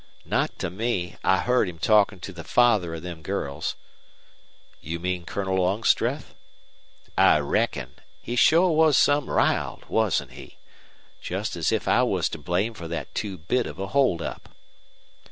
"Not to me. I heard him talkin' to the father of them girls." "You mean Colonel Longstreth?" "I reckon. He sure was some riled, wasn't he? Jest as if I was to blame fer that two bit of a hold up!"